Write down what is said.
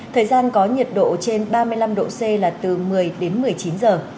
thời gian có nhiệt độ trên ba mươi năm độ c là từ một mươi đến một mươi chín giờ